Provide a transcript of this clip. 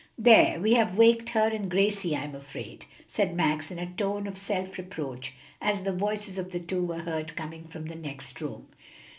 "There, we have waked her and Gracie, I'm afraid," said Max, in a tone of self reproach, as the voices of the two were heard coming from the next room.